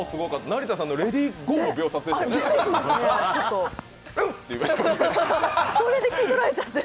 成田さんのレディーゴーも秒殺でしたね。